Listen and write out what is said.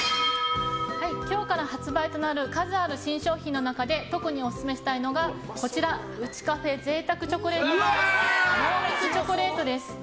今日から発売となる数ある新商品の中で特にオススメしたい商品がこちらＵｃｈｉＣａｆｅ贅沢チョコレートバー濃密チョコレートです。